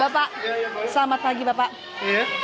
bapak selamat pagi bapak